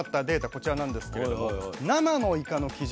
こちらなんですけれども生のイカの基準